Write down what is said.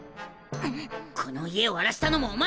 この家を荒らしたのもお前たちか！？